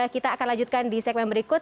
kita akan lanjutkan di segmen berikut